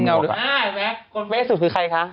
นี่